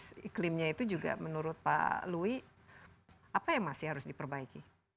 tapi ya bisnis iklimnya itu juga menurut pak louie apa yang masih harus diperbaiki